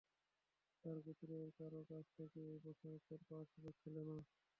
তার গোত্রের কারো থেকে এই প্রশ্নের উত্তর পাওয়ার সুযোগ ছিল না।